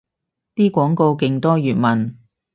啲廣告勁多粵文